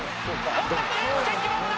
本田圭佑決まった！